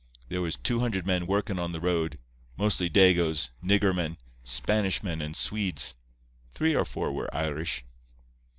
There was two hundred men workin' on the road—mostly Dagoes, nigger men, Spanish men and Swedes. Three or four were Irish.